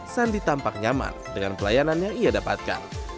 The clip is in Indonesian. sandi tampak nyaman dengan pelayanan yang ia dapatkan